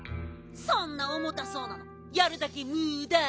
そんなおもたそうなのやるだけむだ。